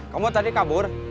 kamu tadi kabur